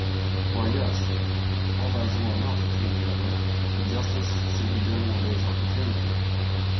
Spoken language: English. "Why, yes—all that is well enough," returned the other. "But justice should be done while there is opportunity.